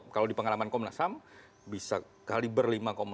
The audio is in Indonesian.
kalau di pengalaman komnasam bisa kaliber lima lima puluh enam